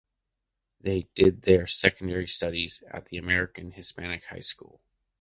They did their secondary studies at the American Hispanic High School.